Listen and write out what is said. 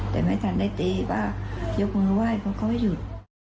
แต่ไม่ทันได้ตีป้ายกมือไหว้เพราะเขาไม่หยุด